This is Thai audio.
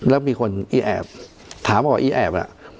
แล้วมีคนอีแอบถามว่าอีแอบล่ะ